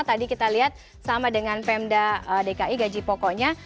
tadi kita lihat sama dengan pemda dki gaji pokoknya